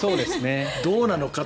どうなのかと。